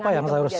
apa yang harus